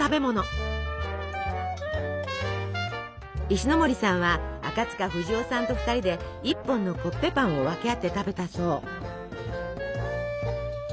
石森さんは赤塚不二夫さんと２人で１本のコッペパンを分け合って食べたそう。